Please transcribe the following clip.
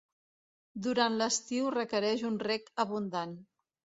Durant l'estiu, requereix un reg abundant.